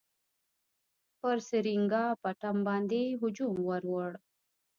پر سرینګا پټم باندي هجوم ورووړ.